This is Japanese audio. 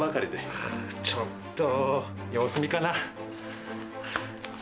はぁ、ちょっと様子見かな。